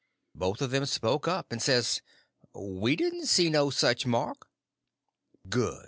Both of them spoke up and says: "We didn't see no such mark." "Good!"